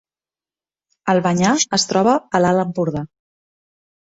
Albanyà es troba a l’Alt Empordà